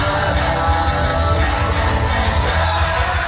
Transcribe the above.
balesan rendah kan